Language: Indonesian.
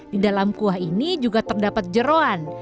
di dalam kuah ini juga terdapat jeruan